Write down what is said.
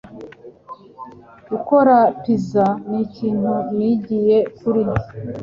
Gukora pizza nikintu nigiye kuri